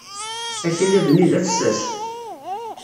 Akayad-nni d afessas.